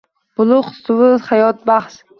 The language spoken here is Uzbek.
Buloq suvi hayotbaxsh